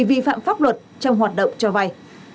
vi phạm pháp luật trong hoạt động cho vay